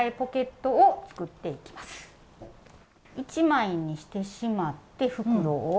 １枚にしてしまって袋を。